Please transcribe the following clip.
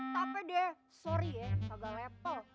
tapi deh sorry ya agak lepel